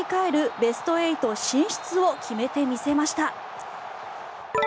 ベスト８進出を決めてみせました。